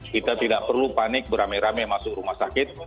kita tidak perlu panik beramai ramai masuk rumah sakit